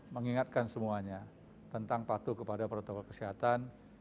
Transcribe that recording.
mengingatkan semuanya tentang patuh kepada protokol kesehatan